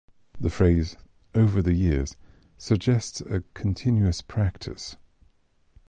The phrase "over the years" suggests a continuous practice.